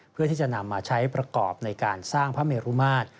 เพื่อที่จะนำมาใช้ประกอบในการสร้างพระเมรุมาตร